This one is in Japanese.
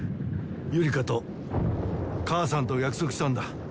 ユリカと母さんと約束したんだ。